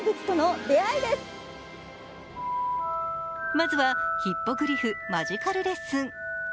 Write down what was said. まずはヒッポグリフマジカル・レッスン。